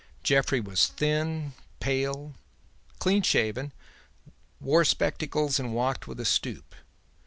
Jeffrey was thin, pale, clean shaven, wore spectacles and walked with a stoop.